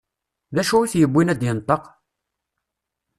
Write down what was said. D acu i t-yewwin ad d-yenṭeq?